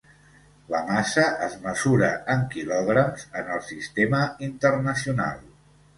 La massa es mesura en quilograms en el sistema internacional.